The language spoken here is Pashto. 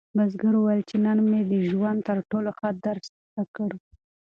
بزګر وویل چې نن مې د ژوند تر ټولو ښه درس زده کړ.